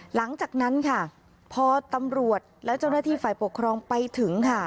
หลังจากนั้นค่ะพอตำรวจและเจ้าหน้าที่ฝ่ายปกครองไปถึงค่ะ